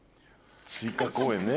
追加公演ね。